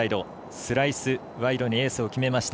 スライス、ワイドにエースを決めました。